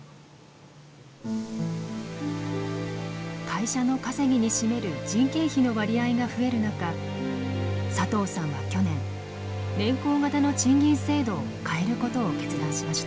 会社の稼ぎに占める人件費の割合が増える中佐藤さんは去年年功型の賃金制度を変えることを決断しました。